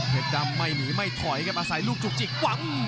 เพชรดำไม่หนีไม่ถอยกลับมาใส่ลูกจุกจิก